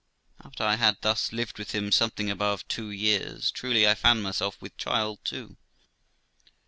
After I had thus lived with him something above two years, truly I found myself with child too.